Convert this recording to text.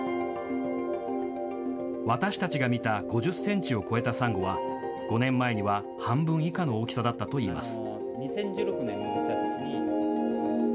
私たちが見た５０センチを超えたサンゴは５年前には半分以下の大きさだったといいます。